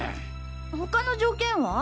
他の条件は？